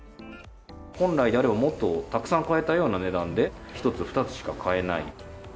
本来であれば、もっとたくさん買えたような値段で、１つ２つしか買えない。